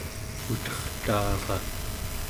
utertaara